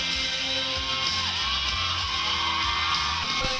ขอบคุณครับ